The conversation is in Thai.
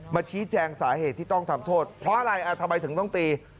ชี้แจงสาเหตุที่ต้องทำโทษเพราะอะไรทำไมถึงต้องตี